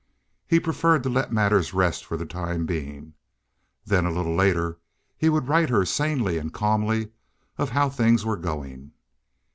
He preferred to let matters rest for the time being; then a little later he would write her sanely and calmly of how things were going.